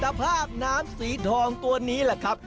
ภาพน้ำสีทองตัวนี้แหละครับ